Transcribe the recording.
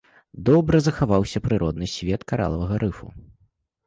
Добра захаваўся прыродны свет каралавага рыфу.